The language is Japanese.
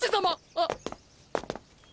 あっ。